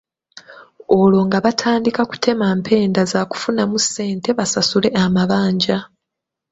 Olwo nga batandika kutema mpenda zaakufunamu ssente basasule amabanja.